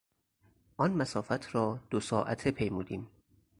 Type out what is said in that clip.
آن مسافت را دو ساعته پیمودیم.